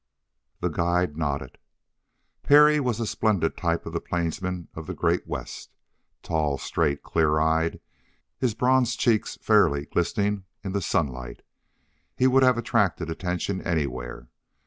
The guide nodded. Parry was a splendid type of the plainsman of the great West. Tall, straight, clear eyed, his bronzed cheeks fairly glistening in the sunlight, he would have attracted attention anywhere.